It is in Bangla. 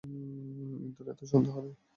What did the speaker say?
ইঁদুর, এতে সন্দেহ নেই।